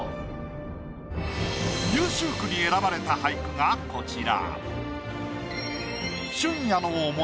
優秀句に選ばれた俳句がこちら。